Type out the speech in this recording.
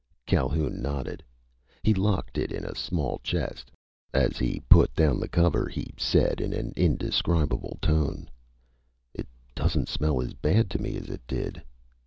Calhoun nodded. He locked it in a small chest. As he put down the cover he said in an indescribable tone: "It doesn't smell as bad to me as it did."